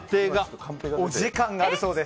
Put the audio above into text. お時間があるそうです。